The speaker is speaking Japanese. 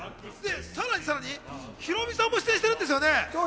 さらにヒロミさんも出演してるんですよね？